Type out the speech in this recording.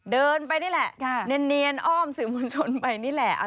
เดินไปนี่แหละเนียนอ้อมสื่อมวลชนไปนี่แหละ